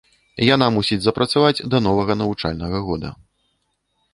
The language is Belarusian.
Яна мусіць запрацаваць да новага навучальнага года.